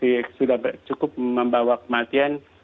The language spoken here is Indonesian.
ya sudah cukup membawa kematian